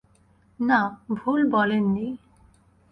না, ভুল বলেন নি।